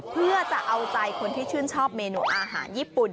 เพื่อจะเอาใจคนที่ชื่นชอบเมนูอาหารญี่ปุ่น